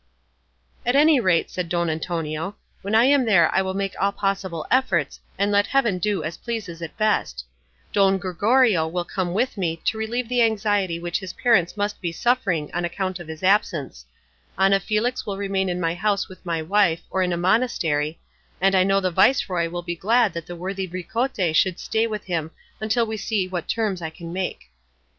"At any rate," said Don Antonio, "when I am there I will make all possible efforts, and let heaven do as pleases it best; Don Gregorio will come with me to relieve the anxiety which his parents must be suffering on account of his absence; Ana Felix will remain in my house with my wife, or in a monastery; and I know the viceroy will be glad that the worthy Ricote should stay with him until we see what terms I can make."